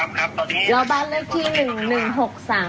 ใจเย็นนะครับผมครับครับตอนนี้แล้วบ้านเลือกที่หนึ่งหนึ่งหกสาม